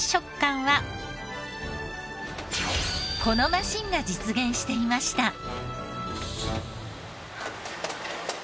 このマシーンが実現していました。